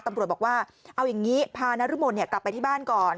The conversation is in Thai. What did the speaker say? ตำรวจบอกว่าเอาอย่างนี้พานรมนกลับไปที่บ้านก่อน